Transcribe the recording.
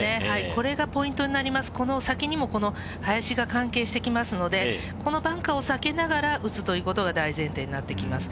これがポイントになります、この先にもこの林が関係してきますので、このバンカーを避けながら打つということが大前提になってきます。